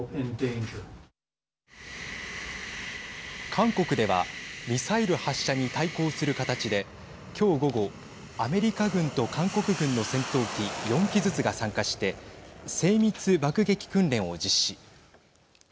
韓国ではミサイル発射に対抗する形で今日午後、アメリカ軍と韓国軍の戦闘機４機ずつが参加して精密爆撃訓練を実施。